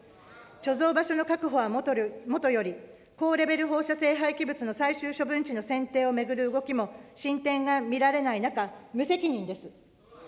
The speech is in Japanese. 貯蔵場所の確保はもとより、高レベル放射性廃棄物の最終処分地の選定を巡る動きも進展が見られない中、無責任です。